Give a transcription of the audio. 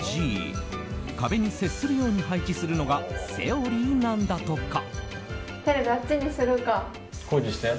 壁に接するように配置するのがセオリーなんだとか。